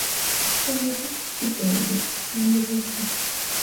Mpeereza ku ccupa eyo ekusemberedde.